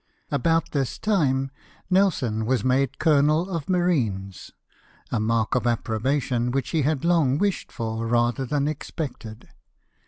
About this time Nelson was made colonel of marines — a mark of approbation which he had long wished for rather than expected.